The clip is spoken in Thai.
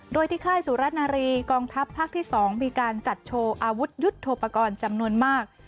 โดยที่ค่ายสุรนารีกองทัพภาคที่๒มีการจัดโชว์อาวุธยุทธโปรกรณ์จำนวนมาก